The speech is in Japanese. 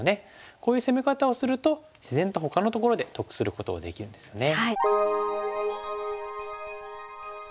こういう攻め方をすると自然とほかのところで得することができるんですよね。